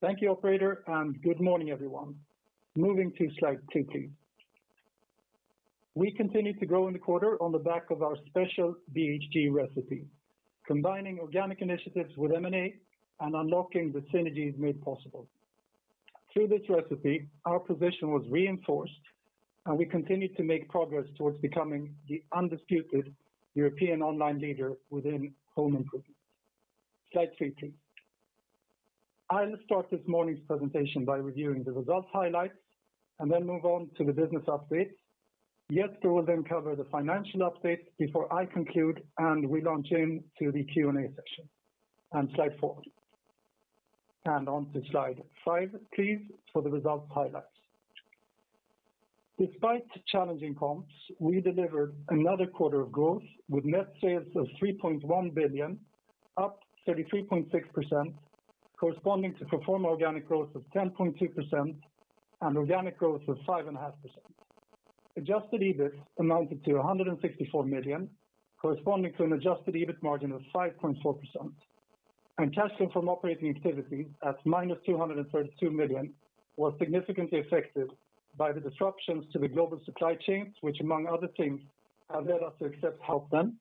Thank you operator, and good morning everyone. Moving to slide two, please. We continued to grow in the quarter on the back of our special BHG recipe, combining organic initiatives with M&A and unlocking the synergies made possible. Through this recipe, our position was reinforced, and we continued to make progress towards becoming the undisputed European online leader within home improvement. Slide three, please. I'll start this morning's presentation by reviewing the results highlights and then move on to the business updates. Jesper will then cover the financial updates before I conclude, and we launch into the Q&A session. Slide four. On to slide five, please, for the results highlights. Despite challenging comps, we delivered another quarter of growth with net sales of 3.1 billion, up 33.6%, corresponding to pro forma organic growth of 10.2% and organic growth of 5.5%. Adjusted EBIT amounted to 164 million, corresponding to an adjusted EBIT margin of 5.4%. Cash flow from operating activity at -232 million was significantly affected by the disruptions to the global supply chains, which among other things, have led us to accept help then.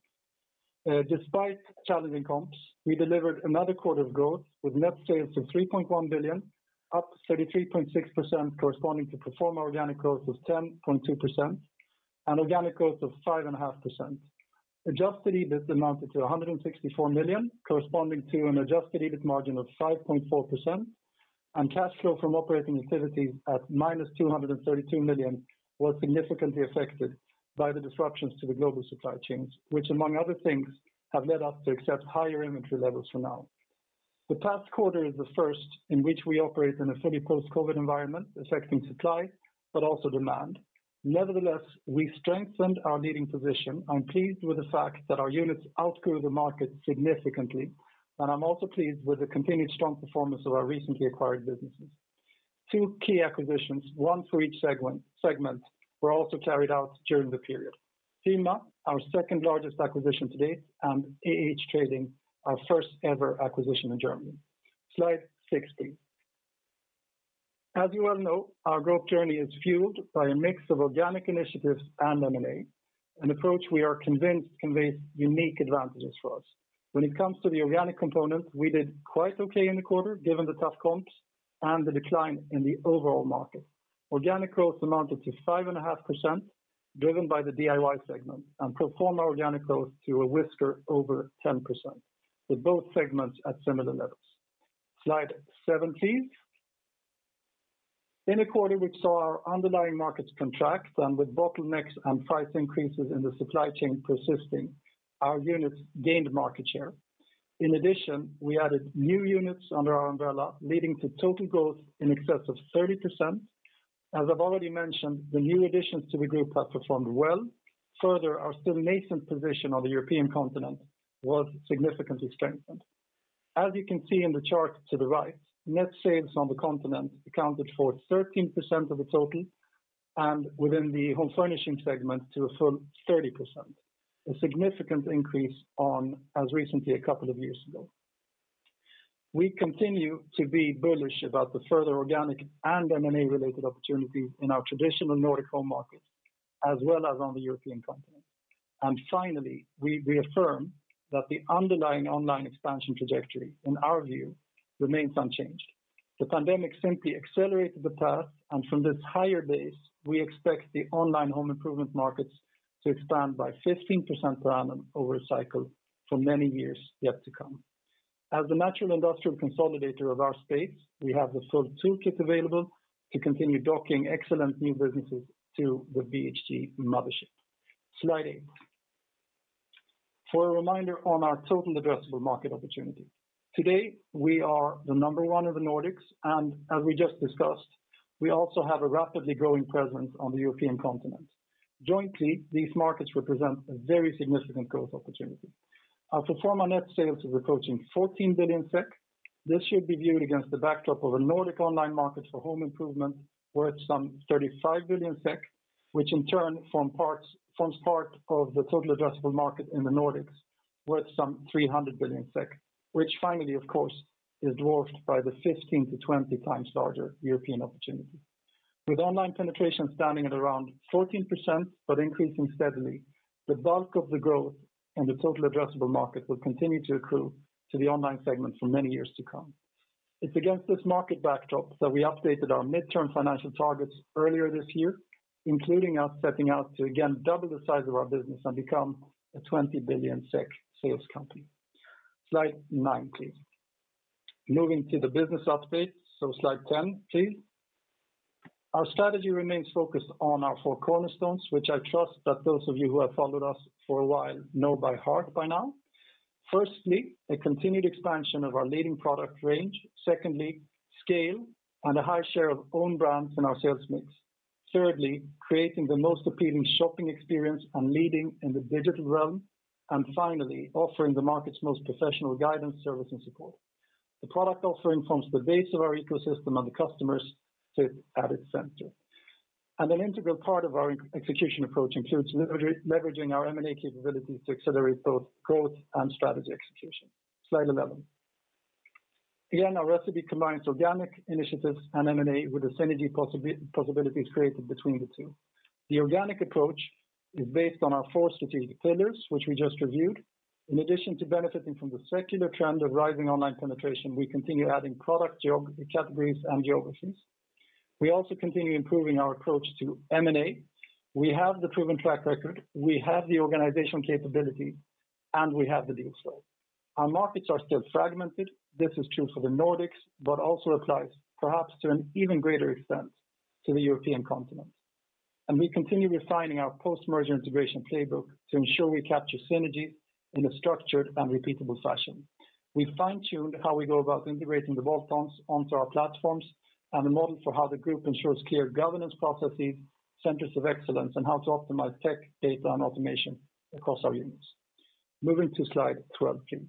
Adjusted EBIT amounted to SEK 164 million, corresponding to an adjusted EBIT margin of 5.4%. Cash flow from operating activity at -232 million was significantly affected by the disruptions to the global supply chains, which among other things, have led us to accept higher inventory levels for now. The past quarter is the first in which we operate in a fully post-COVID environment affecting supply but also demand. Nevertheless, we strengthened our leading position. I'm pleased with the fact that our units outgrew the market significantly, and I'm also pleased with the continued strong performance of our recently acquired businesses. Two key acquisitions, one for each segment, were also carried out during the period. HYMA, our second largest acquisition to date, and AH-Trading, our first ever acquisition in Germany. Slide six, please. As you well know, our growth journey is fueled by a mix of organic initiatives and M&A, an approach we are convinced conveys unique advantages for us. When it comes to the organic component, we did quite okay in the quarter given the tough comps and the decline in the overall market. Organic growth amounted to 5.5%, driven by the DIY segment, and pro forma organic growth to a whisker over 10%, with both segments at similar levels. Slide seven, please. In a quarter we saw our underlying markets contract, and with bottlenecks and price increases in the supply chain persisting, our units gained market share. In addition, we added new units under our umbrella, leading to total growth in excess of 30%. As I've already mentioned, the new additions to the group have performed well. Further, our still nascent position on the European continent was significantly strengthened. As you can see in the chart to the right, net sales on the continent accounted for 13% of the total and within the Home Furnishing segment to a full 30%, a significant increase on as recently a couple of years ago. We continue to be bullish about the further organic and M&A related opportunities in our traditional Nordic home markets, as well as on the European continent. Finally, we reaffirm that the underlying online expansion trajectory, in our view, remains unchanged. The pandemic simply accelerated the path, and from this higher base, we expect the online home improvement markets to expand by 15% per annum over a cycle for many years yet to come. As the natural industrial consolidator of our space, we have the full toolkit available to continue docking excellent new businesses to the BHG mothership. Slide eight. For a reminder on our total addressable market opportunity. Today, we are the number one in the Nordics, and as we just discussed, we also have a rapidly growing presence on the European continent. Jointly, these markets represent a very significant growth opportunity. Our pro forma net sales is approaching 14 billion SEK. This should be viewed against the backdrop of a Nordic online market for home improvement worth some 35 billion SEK, which in turn forms part of the total addressable market in the Nordics, worth some 300 billion SEK, which finally, of course, is dwarfed by the 15 to 20 times larger European opportunity. With online penetration standing at around 14% but increasing steadily, the bulk of the growth in the total addressable market will continue to accrue to the online segment for many years to come. It's against this market backdrop that we updated our midterm financial targets earlier this year, including us setting out to again double the size of our business and become a 20 billion SEK sales company. Slide nine, please. Moving to the business update, so slide ten, please. Our strategy remains focused on our four cornerstones, which I trust that those of you who have followed us for a while know by heart by now. Firstly, a continued expansion of our leading product range. Secondly, scale and a high share of own brands in our sales mix. Thirdly, creating the most appealing shopping experience and leading in the digital realm, and finally, offering the market's most professional guidance, service, and support. The product offering forms the base of our ecosystem and the customers sit at its center. An integral part of our execution approach includes leveraging our M&A capabilities to accelerate both growth and strategy execution. Slide 11. Again, our recipe combines organic initiatives and M&A with the synergy possibilities created between the two. The organic approach is based on our four strategic pillars, which we just reviewed. In addition to benefiting from the secular trend of rising online penetration, we continue adding product categories and geographies. We also continue improving our approach to M&A. We have the proven track record, we have the organizational capability, and we have the deal flow. Our markets are still fragmented. This is true for the Nordics, but also applies perhaps to an even greater extent to the European continent. We continue refining our post-merger integration playbook to ensure we capture synergies in a structured and repeatable fashion. We've fine-tuned how we go about integrating the bolt-ons onto our platforms and the model for how the group ensures clear governance processes, centers of excellence, and how to optimize tech data and automation across our units. Moving to slide 12 please.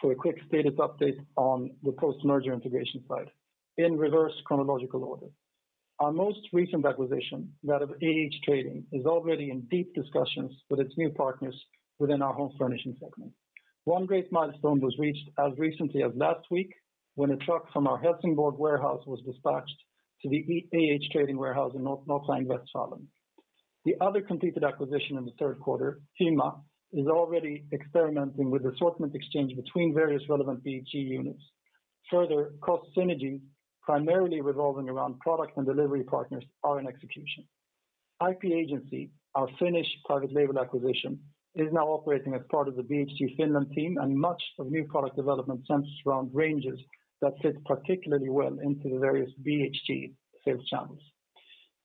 For a quick status update on the post-merger integration side in reverse chronological order. Our most recent acquisition, that of AH-Trading, is already in deep discussions with its new partners within our Home Furnishing segment. One great milestone was reached as recently as last week when a truck from our Helsingborg warehouse was dispatched to the AH-Trading warehouse in North Rhine-Westphalia. The other completed acquisition in the third quarter, HYMA, is already experimenting with assortment exchange between various relevant BHG units. Further cost synergy, primarily revolving around product and delivery partners are in execution. IP-Agency, our Finnish private label acquisition, is now operating as part of the BHG Finland team and much of new product development centers around ranges that fit particularly well into the various BHG sales channels.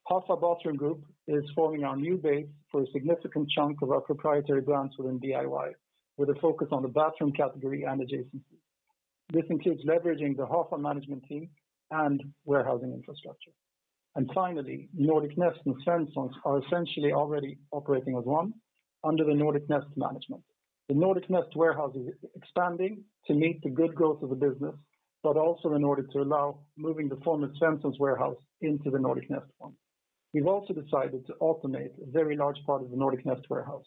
Hafa Bathroom Group is forming our new base for a significant chunk of our proprietary brands within DIY, with a focus on the bathroom category and adjacencies. This includes leveraging the Hafa management team and warehousing infrastructure. Finally, Nordic Nest and Svenssons are essentially already operating as one under the Nordic Nest management. The Nordic Nest warehouse is expanding to meet the good growth of the business, but also in order to allow moving the former Svenssons warehouse into the Nordic Nest one. We've also decided to automate a very large part of the Nordic Nest warehouse.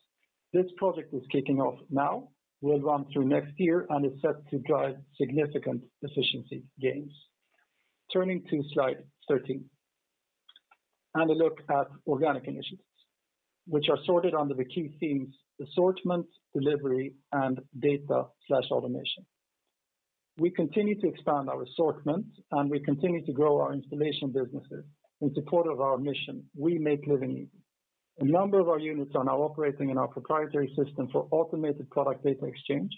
This project is kicking off now. We'll run through next year and is set to drive significant efficiency gains. Turning to slide 13 and a look at organic initiatives, which are sorted under the key themes assortment, delivery, and data/automation. We continue to expand our assortment and we continue to grow our installation businesses in support of our mission, we make living easy. A number of our units are now operating in our proprietary system for automated product data exchange,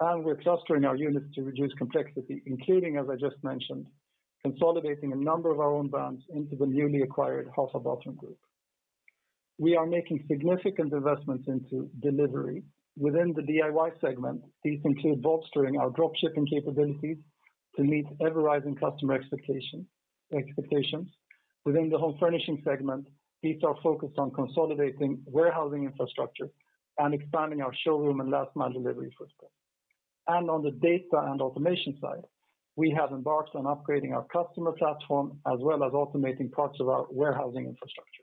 and we're clustering our units to reduce complexity, including, as I just mentioned, consolidating a number of our own brands into the newly acquired Hafa Bathroom Group. We are making significant investments into delivery within the DIY segment. These include bolstering our drop shipping capabilities to meet ever-rising customer expectations. Within the Home Furnishing segment, these are focused on consolidating warehousing infrastructure and expanding our showroom and last mile delivery footprint. On the data and automation side, we have embarked on upgrading our customer platform, as well as automating parts of our warehousing infrastructure.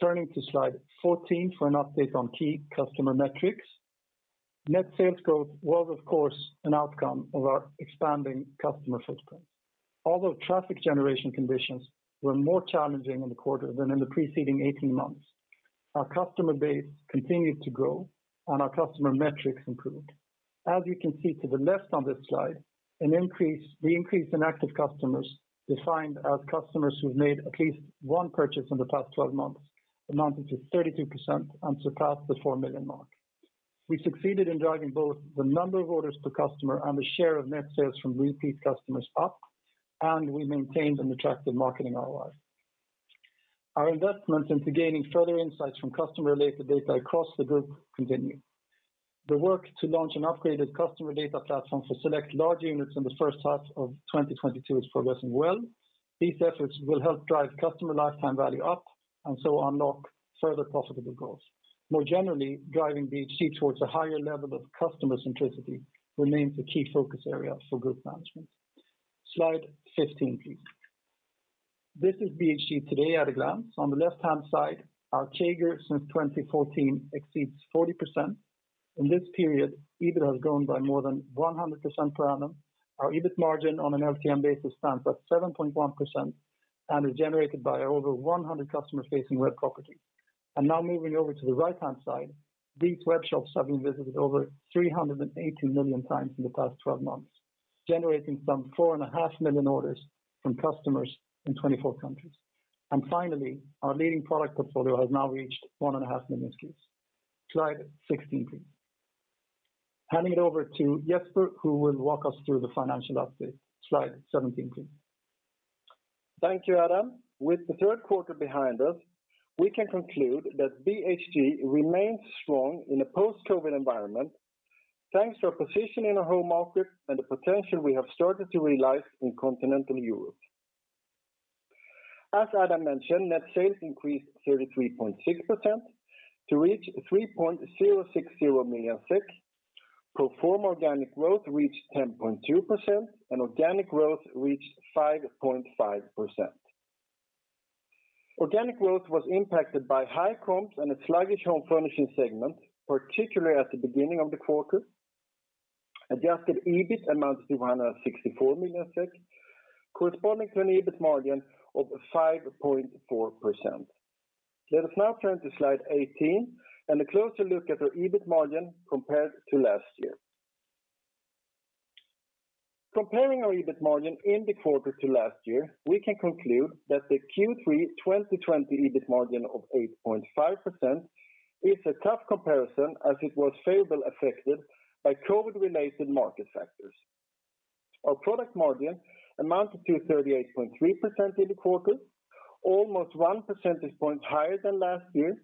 Turning to slide 14 for an update on key customer metrics. Net sales growth was of course an outcome of our expanding customer footprint. Although traffic generation conditions were more challenging in the quarter than in the preceding 18 months, our customer base continued to grow and our customer metrics improved. As you can see to the left on this slide, the increase in active customers defined as customers who've made at least one purchase in the past 12 months amounted to 32% and surpassed the 4 million mark. We succeeded in driving both the number of orders per customer and the share of net sales from repeat customers up, and we maintained an attractive marketing ROI. Our investments into gaining further insights from customer-related data across the group continue. The work to launch an upgraded customer data platform for select large units in the first half of 2022 is progressing well. These efforts will help drive customer lifetime value up and so unlock further profitable growth. More generally, driving BHG towards a higher level of customer centricity remains a key focus area for group management. Slide 15, please. This is BHG today at a glance. On the left-hand side, our CAGR since 2014 exceeds 40%. In this period, EBIT has grown by more than 100% per annum. Our EBIT margin on an LTM basis stands at 7.1% and is generated by over 100 customer-facing web properties. Now moving over to the right-hand side, these web shops have been visited over 380 million times in the past 12 months, generating some 4.5 million orders from customers in 24 countries. Finally, our leading product portfolio has now reached 1.5 million SKUs. Slide 16, please. Handing it over to Jesper, who will walk us through the financial update. Slide 17, please. Thank you, Adam. With the third quarter behind us, we can conclude that BHG remains strong in a post-COVID environment, thanks to our position in our home market and the potential we have started to realize in continental Europe. As Adam mentioned, net sales increased 33.6% to reach 3.060 million. Pro forma organic growth reached 10.2% and organic growth reached 5.5%. Organic growth was impacted by high comps and a sluggish Home Furnishing segment, particularly at the beginning of the quarter. Adjusted EBIT amounted to SEK 164 million, corresponding to an EBIT margin of 5.4%. Let us now turn to slide 18 and a closer look at our EBIT margin compared to last year. Comparing our EBIT margin in the quarter to last year, we can conclude that the Q3 2020 EBIT margin of 8.5% is a tough comparison as it was favorably affected by COVID-related market factors. Our product margin amounted to 38.3% in the quarter, almost 1 percentage point higher than last year.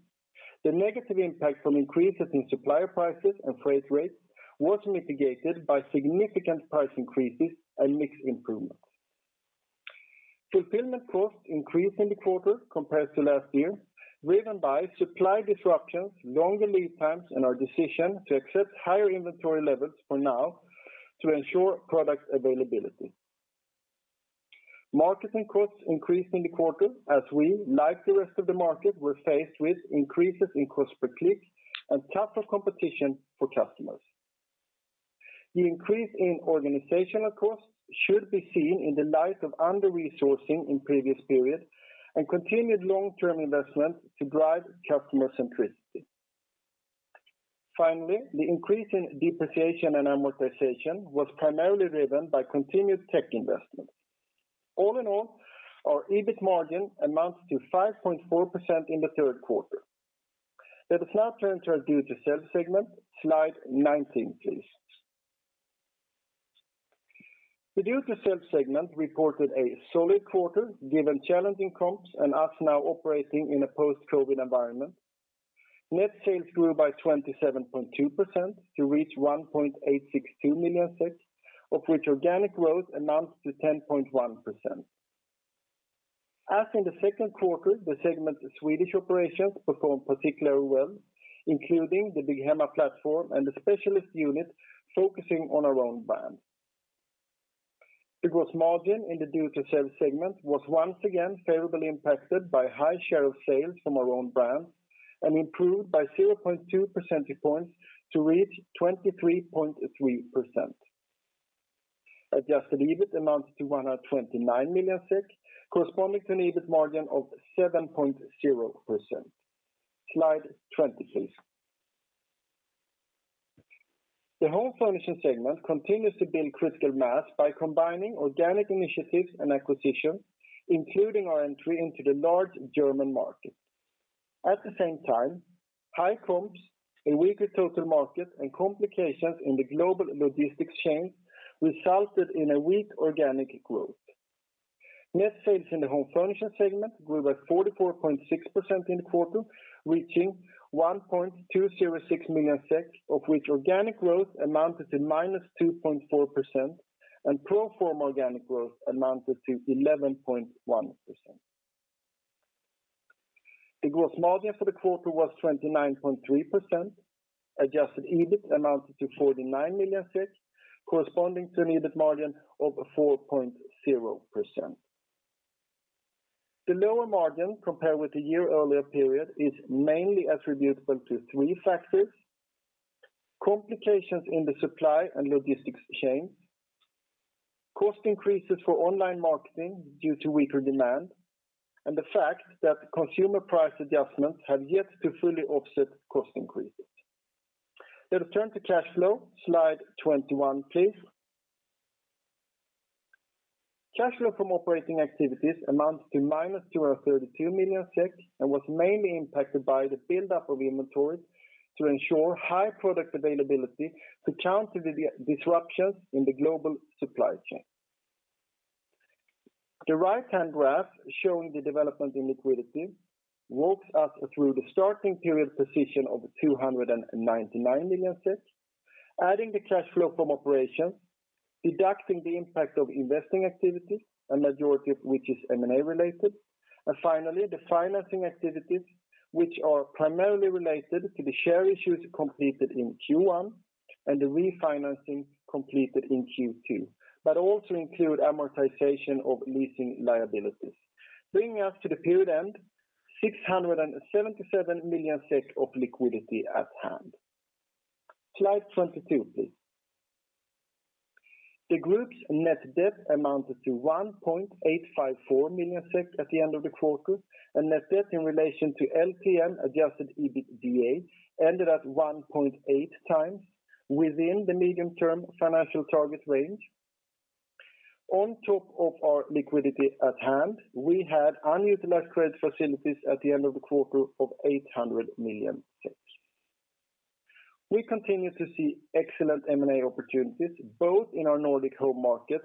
The negative impact from increases in supplier prices and freight rates was mitigated by significant price increases and mix improvements. Fulfillment costs increased in the quarter compared to last year, driven by supply disruptions, longer lead times, and our decision to accept higher inventory levels for now to ensure product availability. Marketing costs increased in the quarter as we, like the rest of the market, were faced with increases in cost per click and tougher competition for customers. The increase in organizational costs should be seen in the light of under-resourcing in previous periods and continued long-term investments to drive customer centricity. Finally, the increase in depreciation and amortization was primarily driven by continued tech investments. All in all, our EBIT margin amounts to 5.4% in the third quarter. Let us now turn to our Do-It-Yourself segment, slide 19, please. The Do-It-Yourself segment reported a solid quarter given challenging comps and us now operating in a post-COVID environment. Net sales grew by 27.2% to reach 1.862 million, of which organic growth amounted to 10.1%. As in the second quarter, the segment's Swedish operations performed particularly well, including the Bygghemma platform and the specialist unit focusing on our own brand. The gross margin in the Do-It-Yourself segment was once again favorably impacted by high share of sales from our own brand and improved by 0.2 percentage points to reach 23.3%. Adjusted EBIT amounted to 129 million SEK, corresponding to an EBIT margin of 7.0%. Slide 20, please. The Home Furnishing segment continues to build critical mass by combining organic initiatives and acquisitions, including our entry into the large German market. At the same time, high comps, a weaker total market, and complications in the global logistics chain resulted in a weak organic growth. Net sales in the Home Furnishing segment grew by 44.6% in the quarter, reaching 1.206 million, of which organic growth amounted to -2.4% and pro forma organic growth amounted to 11.1%. The gross margin for the quarter was 29.3%. Adjusted EBIT amounted to 49 million, corresponding to an EBIT margin of 4.0%. The lower margin compared with the year earlier period is mainly attributable to three factors, complications in the supply and logistics chain, cost increases for online marketing due to weaker demand, and the fact that consumer price adjustments have yet to fully offset cost increases. Let us turn to cash flow, slide 21, please. Cash flow from operating activities amounts to -232 million and was mainly impacted by the buildup of inventories to ensure high product availability to counter the disruptions in the global supply chain. The right-hand graph showing the development in liquidity walks us through the starting period position of 299 million, adding the cash flow from operations, deducting the impact of investing activities, a majority of which is M&A related, and finally, the financing activities, which are primarily related to the share issues completed in Q1 and the refinancing completed in Q2, but also include amortization of leasing liabilities, bringing us to the period end, 677 million SEK of liquidity at hand. Slide 22, please. The group's net debt amounted to 1.854 million SEK at the end of the quarter, and net debt in relation to LTM adjusted EBITDA ended at 1.8 times within the medium-term financial target range. On top of our liquidity at hand, we had unutilized credit facilities at the end of the quarter of 800 million. We continue to see excellent M&A opportunities both in our Nordic home market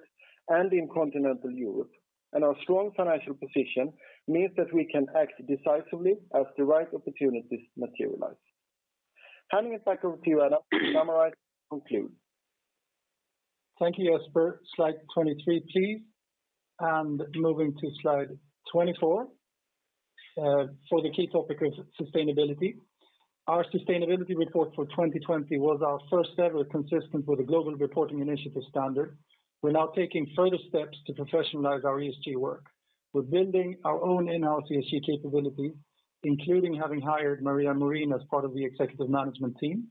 and in continental Europe, and our strong financial position means that we can act decisively as the right opportunities materialize. Handing it back over to you, Adam, to summarize and conclude. Thank you, Jesper. Slide 23, please. Moving to slide 24 for the key topic of sustainability. Our sustainability report for 2020 was our first ever consistent with the Global Reporting Initiative Standards. We're now taking further steps to professionalize our ESG work. We're building our own in-house ESG capability, including having hired Maria Morin as part of the executive management team.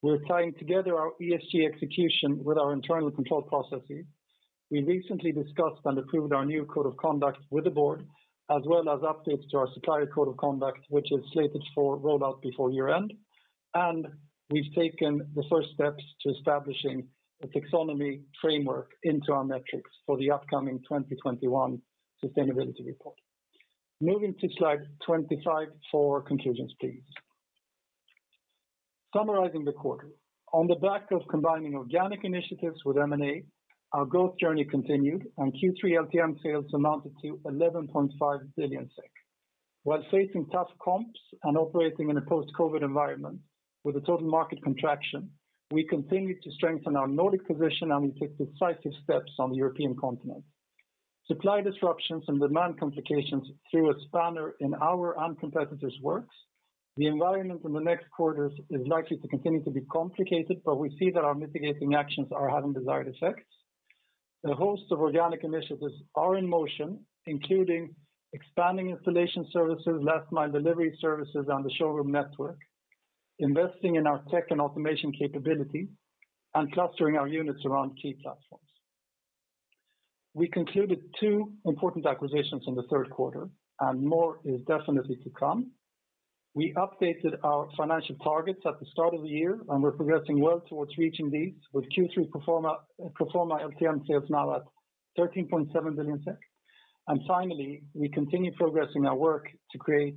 We're tying together our ESG execution with our internal control processes. We recently discussed and approved our new code of conduct with the board, as well as updates to our supplier code of conduct, which is slated for rollout before year-end. We've taken the first steps to establishing a taxonomy framework into our metrics for the upcoming 2021 sustainability report. Moving to slide 25 for conclusions, please. Summarizing the quarter. On the back of combining organic initiatives with M&A, our growth journey continued, and Q3 LTM sales amounted to 11.5 billion SEK. While facing tough comps and operating in a post-COVID environment with a total market contraction, we continued to strengthen our Nordic position, and we took decisive steps on the European continent. Supply disruptions and demand complications threw a spanner in our and competitors' works. The environment in the next quarters is likely to continue to be complicated, but we see that our mitigating actions are having desired effects. A host of organic initiatives are in motion, including expanding installation services, last mile delivery services, and the showroom network, investing in our tech and automation capability and clustering our units around key platforms. We concluded two important acquisitions in the third quarter, and more is definitely to come. We updated our financial targets at the start of the year, and we're progressing well towards reaching these with Q3 pro forma, pro forma LTM sales now at 13.7 billion SEK. Finally, we continue progressing our work to create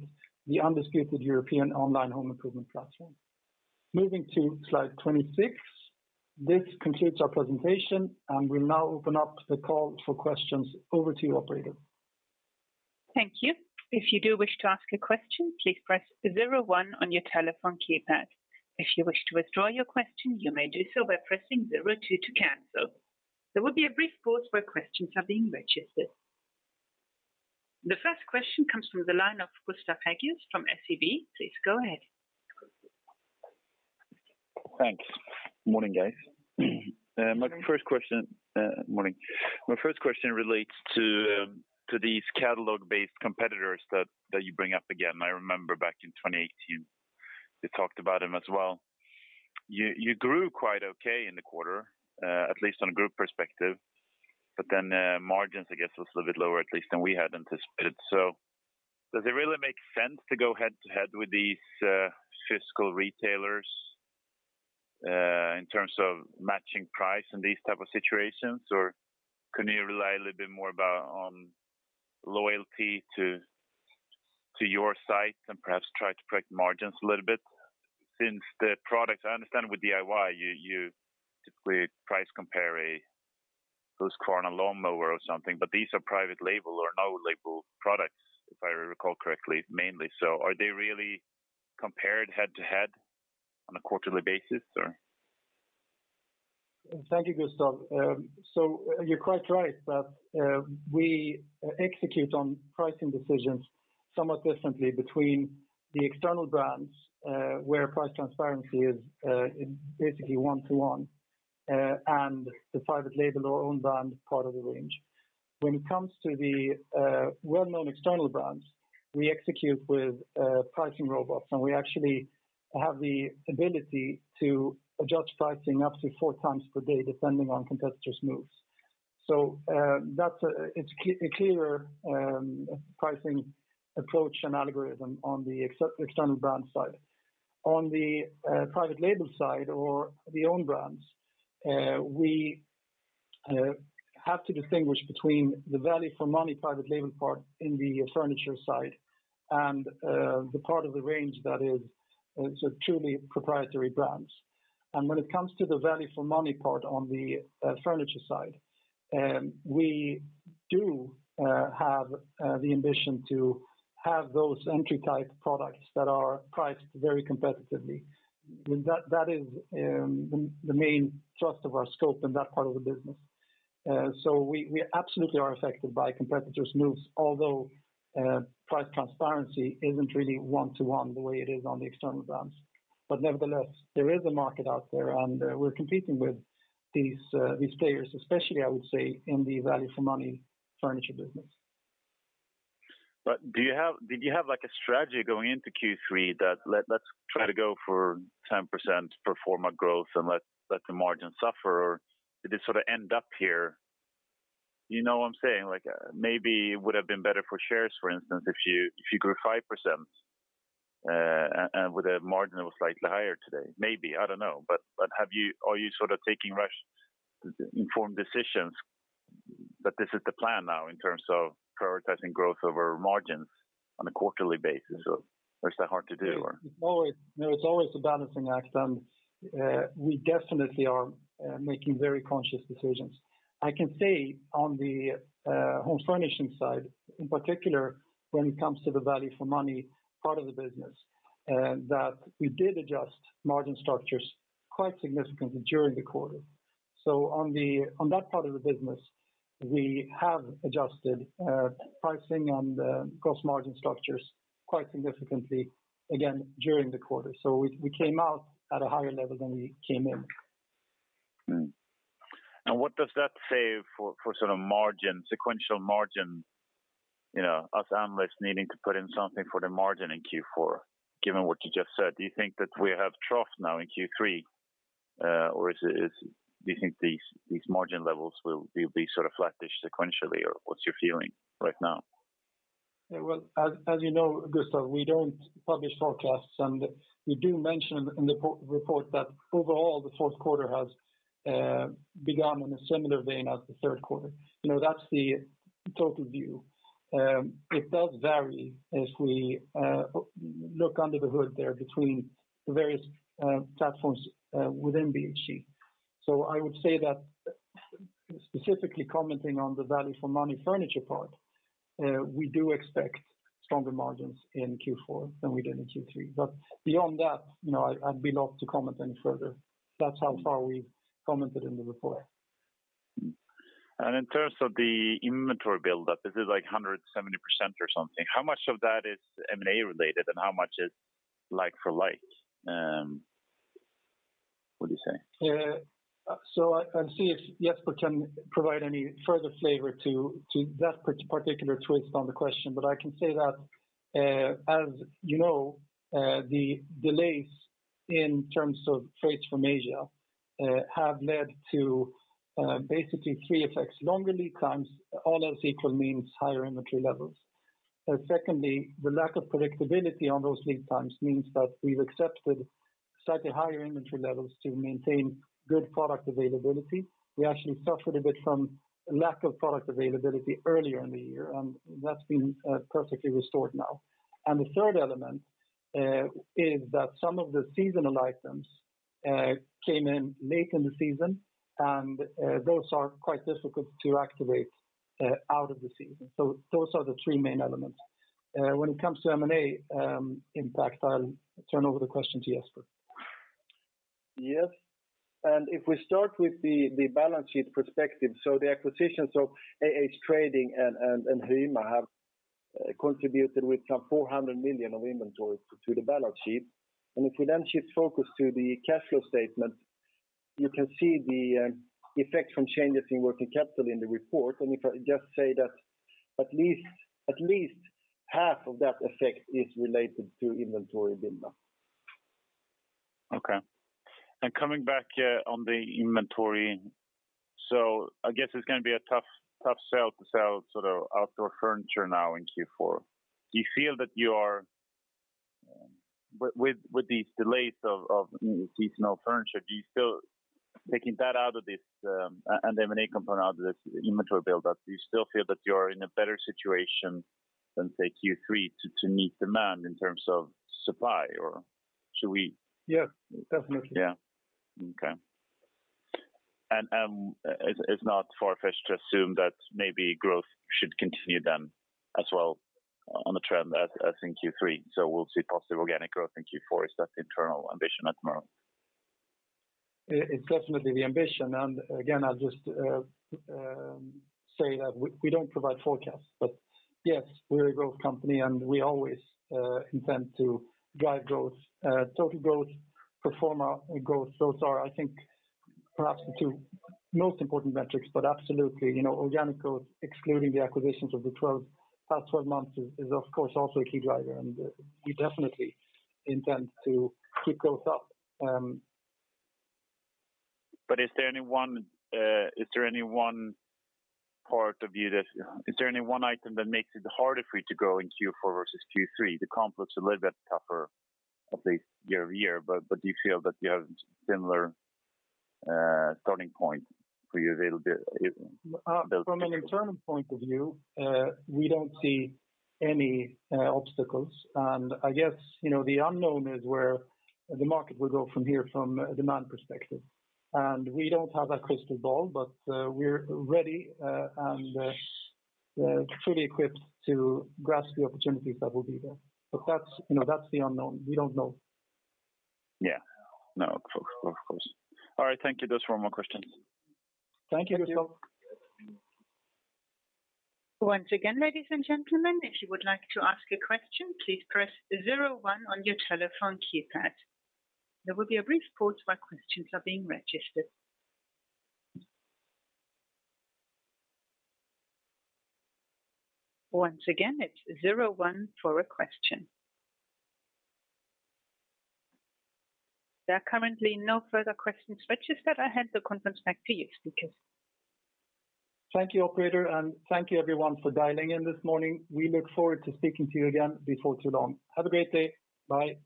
the undisputed European online home improvement platform. Moving to slide 26. This concludes our presentation, and we'll now open up the call for questions. Over to you, operator. Thank you. If you do wish to ask a question, please press zero one on your telephone keypad. If you wish to withdraw your question, you may do so by pressing zero two to cancel. There will be a brief pause where questions are being registered. The first question comes from the line of Gustav Hagéus from SEB. Please go ahead. Thanks. Morning, guys. My first question relates to these catalog-based competitors that you bring up again. I remember back in 2018, you talked about them as well. You grew quite okay in the quarter, at least on a group perspective. Then, margins, I guess, was a little bit lower, at least than we had anticipated. Does it really make sense to go head-to-head with these physical retailers in terms of matching price in these type of situations? Or can you rely a little bit more about loyalty to your site and perhaps try to correct margins a little bit? Since the products I understand with DIY, you typically price compare a Husqvarna lawnmower or something, but these are private label or no label products, if I recall correctly, mainly. Are they really compared head-to-head on a quarterly basis or? Thank you, Gustav. You're quite right that we execute on pricing decisions somewhat differently between the external brands, where price transparency is basically one-to-one, and the private label or own brand part of the range. When it comes to the well-known external brands, we execute with pricing robots, and we actually have the ability to adjust pricing up to four times per day, depending on competitors' moves. That's a clearer pricing approach and algorithm on the external brand side. On the private label side or the own brands, we have to distinguish between the value for money private label part in the furniture side and the part of the range that is truly proprietary brands. When it comes to the value for money part on the furniture side, we do have the ambition to have those entry type products that are priced very competitively. That is the main thrust of our scope in that part of the business. We absolutely are affected by competitors' moves although price transparency isn't really one-to-one the way it is on the external brands. Nevertheless, there is a market out there, and we're competing with these players, especially, I would say, in the value for money furniture business. Did you have, like, a strategy going into Q3 that let's try to go for 10% pro forma growth and let the margin suffer? Or did it sort of end up here? You know what I'm saying? Like, maybe it would have been better for shares, for instance, if you grew 5%, and with a margin that was slightly higher today. Maybe, I don't know. Have you... Are you sort of taking rational, informed decisions that this is the plan now in terms of prioritizing growth over margins on a quarterly basis? Or is that hard to do or? It's always, you know, it's always a balancing act. We definitely are making very conscious decisions. I can say on the Home Furnishing side, in particular, when it comes to the value for money part of the business, that we did adjust margin structures quite significantly during the quarter. On that part of the business, we have adjusted pricing and gross margin structures quite significantly again during the quarter. We came out at a higher level than we came in. What does that say for sort of margin, sequential margin? You know, us analysts needing to put in something for the margin in Q4, given what you just said. Do you think that we have troughed now in Q3? Do you think these margin levels will be sort of flattish sequentially, or what's your feeling right now? Yeah, well, as you know, Gustav, we don't publish forecasts, and we do mention in the report that overall, the fourth quarter has begun in a similar vein as the third quarter. You know, that's the total view. It does vary as we look under the hood there between the various platforms within BHG. So I would say that specifically commenting on the value for money furniture part, we do expect stronger margins in Q4 than we did in Q3. But beyond that, you know, I'd be loath to comment any further. That's how far we've commented in the report. Mm-hmm. In terms of the inventory build up, this is like 170% or something. How much of that is M&A related and how much is like for like? What do you say? Yeah. I'll see if Jesper can provide any further flavor to that particular twist on the question, but I can say that, as you know, the delays in terms of trades from Asia have led to basically three effects. Longer lead times, all else equal means higher inventory levels. Secondly, the lack of predictability on those lead times means that we've accepted slightly higher inventory levels to maintain good product availability. We actually suffered a bit from lack of product availability earlier in the year, and that's been perfectly restored now. The third element is that some of the seasonal items came in late in the season, and those are quite difficult to activate out of the season. Those are the three main elements. When it comes to M&A, impact, I'll turn over the question to Jesper. Yes. If we start with the balance sheet perspective, so the acquisitions of AH-Trading and HYMA have contributed with some 400 million of inventory to the balance sheet. If we then shift focus to the cash flow statement, you can see the effect from changes in working capital in the report. If I just say that at least half of that effect is related to inventory build up. Okay. Coming back on the inventory, so I guess it's gonna be a tough sell to sell sort of outdoor furniture now in Q4. Do you feel that you are with these delays of seasonal furniture, do you feel taking that out of this and M&A component out of this inventory build up, do you still feel that you're in a better situation than, say, Q3 to meet demand in terms of supply or should we? Yes, definitely. Yeah. Okay. It's not far-fetched to assume that maybe growth should continue then as well on the trend as in Q3. We'll see positive organic growth in Q4. Is that the internal ambition right now? It's definitely the ambition. Again, I'll just say that we don't provide forecasts. Yes, we're a growth company, and we always intend to drive growth, total growth, pro forma growth. Those are, I think, perhaps the two most important metrics. Absolutely, you know, organic growth, excluding the acquisitions of the past 12 months is, of course, also a key driver, and we definitely intend to keep growth up. Is there any one item that makes it harder for you to grow in Q4 versus Q3? The comps a little bit tougher, at least year-over-year, but do you feel that you have similar starting point for your available build? From an internal point of view, we don't see any obstacles. I guess, you know, the unknown is where the market will go from here from a demand perspective. We don't have a crystal ball, but we're ready and fully equipped to grasp the opportunities that will be there. That's, you know, that's the unknown. We don't know. Yeah. No, of course. All right. Thank you. Those were all my questions. Thank you. Thank you. Once again, ladies and gentlemen, if you would like to ask a question, please press zero one on your telephone keypad. There will be a brief pause while questions are being registered. Once again, it's zero one for a question. There are currently no further questions registered. I hand the conference back to you, speakers. Thank you, operator, and thank you everyone for dialing in this morning. We look forward to speaking to you again before too long. Have a great day. Bye.